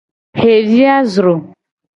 Xevi a zro.